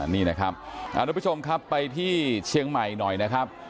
นี่นะครับทุกผู้ชมครับไปที่เชียงใหม่หน่อยนะครับ